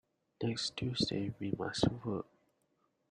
Next Tuesday we must vote.